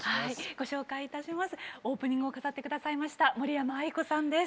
ご紹介いたしますオープニングを飾って下さいました森山愛子さんです。